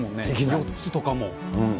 ４つとかも。